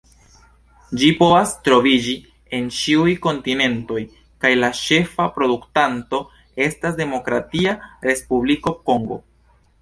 Ĝi povas troviĝi en ĉiuj kontinentoj, kaj la ĉefa produktanto estas Demokratia Respubliko Kongo.